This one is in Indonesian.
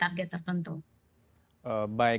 saya rasa dia cocok mengunggul omongan yang dibuat gitu